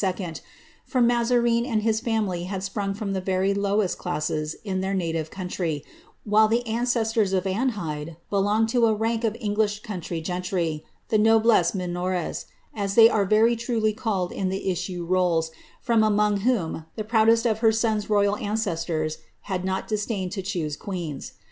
for Mazarine and his family had sprung from the very Dwest classes in their native country, while the ancestors of Anne Hyde eionged to a rank of English country gentry, the nobiles minoresj as tiey are very truly called in the Issue Rolls, from among whom the roudest of her son^s royal ancestors had not disdained to clioose neens.